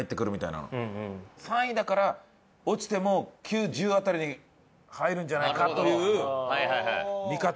３位だから落ちても９１０辺りに入るんじゃないかという見方。